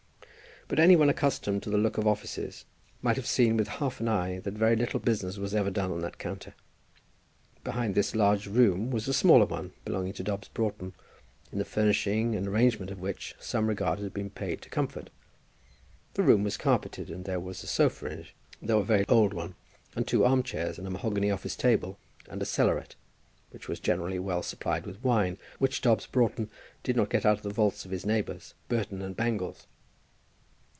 But any one accustomed to the look of offices might have seen with half an eye that very little business was ever done on that counter. Behind this large room was a smaller one, belonging to Dobbs Broughton, in the furnishing and arrangement of which some regard had been paid to comfort. The room was carpeted, and there was a sofa in it, though a very old one, and two arm chairs and a mahogany office table, and a cellaret, which was generally well supplied with wine which Dobbs Broughton did not get out of the vaults of his neighbours, Burton and Bangles.